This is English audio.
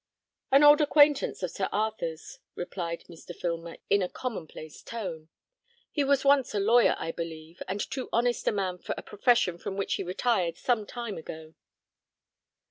"An old acquaintance of Sir Arthur's," replied Mr. Filmer, in a common place tone. "He was once a lawyer, I believe, and too honest a man for a profession from which he retired some time ago."